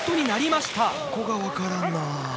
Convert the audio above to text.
ここがわからんな。